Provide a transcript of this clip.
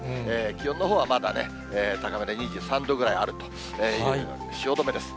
気温のほうはまだね、高めで２３度ぐらいあるという汐留です。